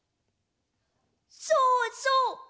そうそう！